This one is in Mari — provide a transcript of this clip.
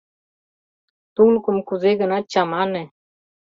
Тулыкым кузе-гынат чамане...